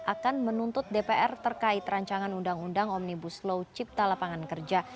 akan menuntut dpr terkait rancangan undang undang omnibus law cipta lapangan kerja